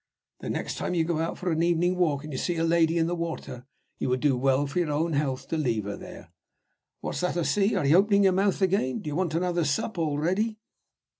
The next time you go out for an evening walk and you see a lady in the water, you will do well for your own health to leave her there. What's that I see? Are you opening your mouth again? Do you want another sup already?"